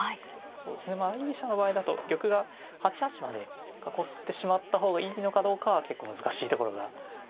そうですね相居飛車の場合だと玉が８八まで囲ってしまった方がいいのかどうかは結構難しいところがありますかね。